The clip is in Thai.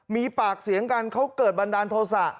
มีปากเสียงกันเขาเกิดบันดาลโทษะ